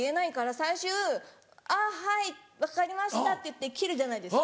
最終「あっはい分かりました」って言って切るじゃないですか